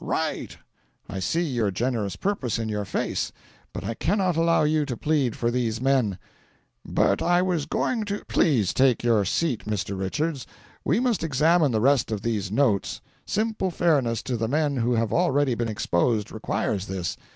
right!") I see your generous purpose in your face, but I cannot allow you to plead for these men " "But I was going to " "Please take your seat, Mr. Richards. We must examine the rest of these notes simple fairness to the men who have already been exposed requires this.